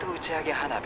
花火？